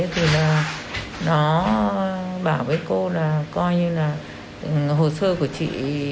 thì là nó bảo với cô là coi như là hồ sơ của chị